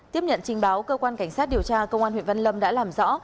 tiếp nhận trình báo cơ quan cảnh sát điều tra công an huyện văn lâm đã làm rõ